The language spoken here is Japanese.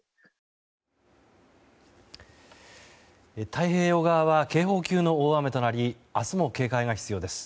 太平洋側は警報級の大雨となり明日も警戒が必要です。